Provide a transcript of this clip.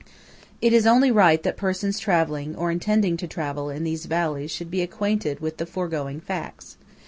It is only right that persons travelling, or intending to travel, in these valleys should be acquainted with the foregoing facts.